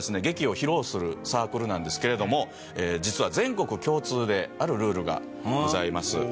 劇を披露するサークルなんですけれども実は全国共通であるルールがございます。